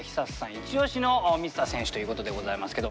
イチオシの満田選手ということでございますけど。